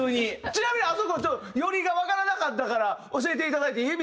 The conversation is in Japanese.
ちなみにあそこの寄りがわからなかったから教えていただいていい？